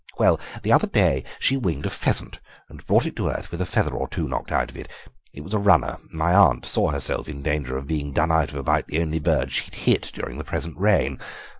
Well, the other day she winged a pheasant, and brought it to earth with a feather or two knocked out of it; it was a runner, and my aunt saw herself in danger of being done out of about the only bird she'd hit during the present reign.